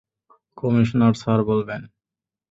Commissioner sir বলবেন।